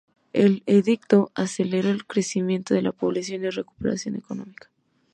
El edicto aceleró el crecimiento de la población y la recuperación económica.